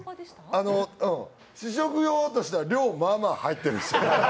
試食用としては量、まあまあ入ってるし。